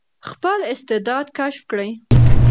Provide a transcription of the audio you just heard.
خپل استعداد کشف کړئ.